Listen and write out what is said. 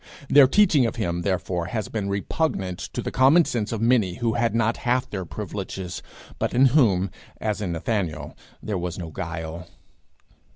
Their teaching of him, therefore, has been repugnant to the common sense of many who had not half their privileges, but in whom, as in Nathanael, there was no guile.